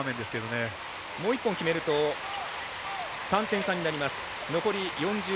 もう１本決めると３点差になります。